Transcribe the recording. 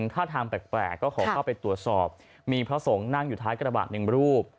ท่าทางแปลกก็ขอเข้าไปตรวจสอบมีพระสงฆ์นั่งอยู่ท้ายกระบะหนึ่งรูป